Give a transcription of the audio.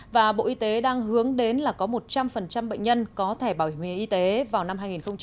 và bộ y tế đang hướng đến là có một trăm linh bệnh nhân có thẻ bảo hiểm y tế vào năm hai nghìn hai mươi